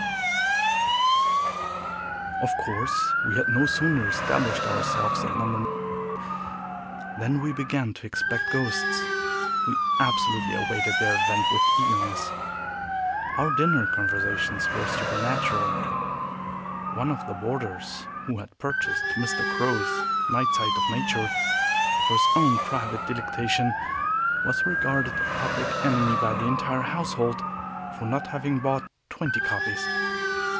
Of course we had no sooner established ourselves at No. than we began to expect ghosts. We absolutely awaited their advent with eagerness. Our dinner conversation was supernatural. One of the boarders, who had purchased Mrs. Crowe's Night Side of Nature for his own private delectation, was regarded as a public enemy by the entire household for not having bought twenty copies.